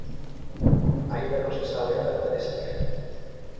Aínda non se sabe a data dese pleno.